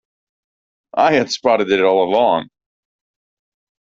I had spotted it all along.